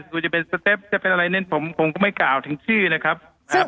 ว่าจะเป็นสเต็ปจะเป็นอะไรเน้นผมผมก็ไม่กล่าวถึงชื่อนะครับ